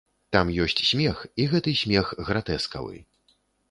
Там ёсць смех, і гэты смех гратэскавы.